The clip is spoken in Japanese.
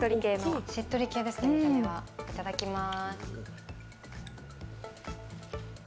いただきます。